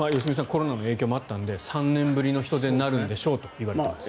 コロナの影響もあったので３年ぶりの人出になるんでしょうと言われています。